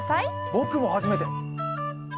僕も初めて。